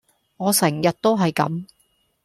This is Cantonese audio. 我成日都係咁